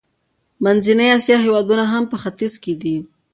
منځنۍ اسیا هېوادونه هم په ختیځ کې دي.